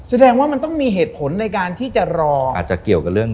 แสดงว่ามันต้องมีเหตุผลในการที่จะรอ